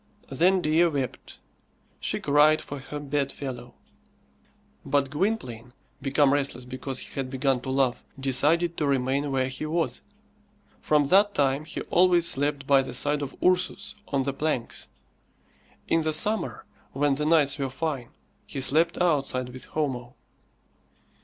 Then Dea wept. She cried for her bed fellow; but Gwynplaine, become restless because he had begun to love, decided to remain where he was. From that time he always slept by the side of Ursus on the planks. In the summer, when the nights were fine, he slept outside with Homo.